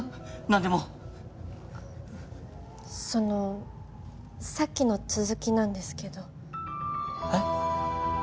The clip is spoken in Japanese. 何でもそのさっきの続きなんですけどえっ？